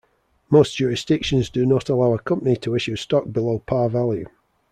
Most jurisdictions do not allow a company to issue stock below par value.